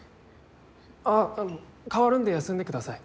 あああの代わるんで休んでください。